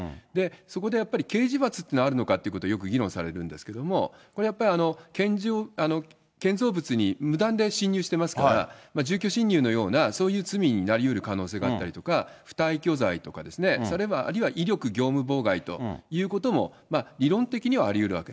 そこでやっぱり、刑事罰というのはあるのかというのがよく議論されるんですけれども、これやっぱり、建造物に無断で侵入してますから、住居侵入のような、そういう罪になりうる可能性があったりとか、不退去罪とか、あるいは威力業務妨害というようなことも、理論的にはありうるわ